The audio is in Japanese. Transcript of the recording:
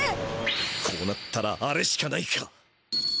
こうなったらあれしかないか。